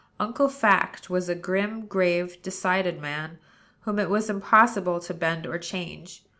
Uncle Fact was a grim, grave, decided man; whom it was impossible to bend or change.